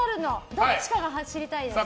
どっちかが知りたいです。